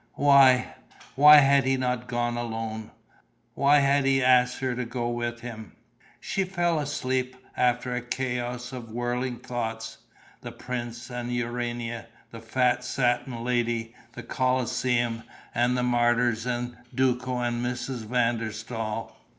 Why ... why had he not gone alone? Why had he asked her to go with him? She fell asleep after a chaos of whirling thoughts: the prince and Urania, the fat satin lady, the Colosseum and the martyrs and Duco and Mrs. van der Staal.